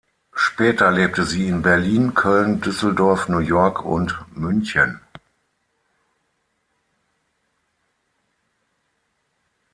Später lebte sie in Berlin, Köln, Düsseldorf, New York und München.